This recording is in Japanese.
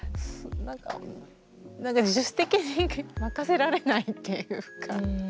なんか自主的に任せられないっていうか。